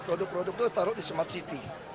produk produk itu harus di taruh di smart city